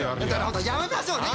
ホントやめましょうね。